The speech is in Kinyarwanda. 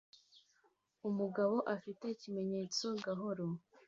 umugabo afite ikimenyetso gahoro